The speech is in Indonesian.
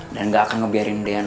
dan gak akan ngebiarin deyan